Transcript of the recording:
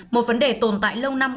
một vấn đề tồn tại